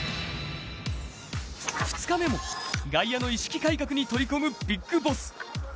２日目も外野の意識改革に取り組むビッグボス。